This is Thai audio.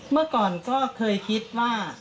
เมื่อก่อนก็เคยคิดว่า